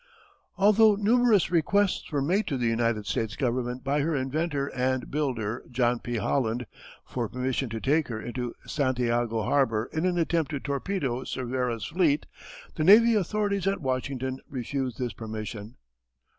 Although numerous requests were made to the United States Government by her inventor and builder, John P. Holland, for permission to take her into Santiago harbour in an attempt to torpedo Cervera's fleet, the navy authorities at Washington refused this permission.